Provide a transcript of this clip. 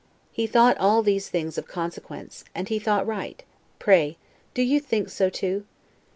He thought all these things of consequence, and he thought right; pray do you think so too?